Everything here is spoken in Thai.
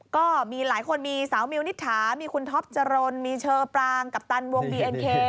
ก็มีหลายคนมีสาวมิวนิษฐามีคุณท็อปจรนมีเชอปรางกัปตันวงบีเอ็นเค